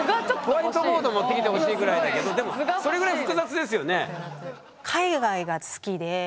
ホワイトボード持ってきてほしいぐらいだけどそれぐらい複雑ですよね。